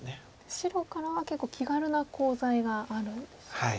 白からは結構気軽なコウ材があるんですね。